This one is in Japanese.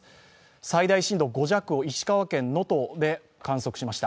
最大震度５弱を石川県能登で観測しました。